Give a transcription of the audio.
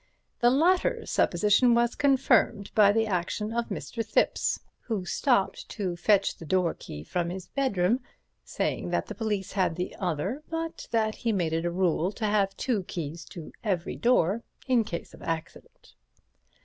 The latter supposition was confirmed by the action of Mr. Thipps, who stopped to fetch the doorkey from his bedroom, saying that the police had the other, but that he made it a rule to have two keys to every door, in case of accident.